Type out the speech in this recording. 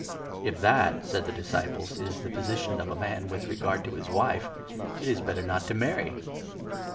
" If that," said the disciples, " is the position of a man with 10 regard to his wife, it is better not to marry."